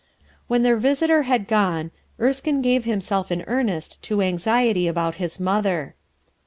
When their visitor had gone, Erskine gave himself in earnest to anxiety about his mother.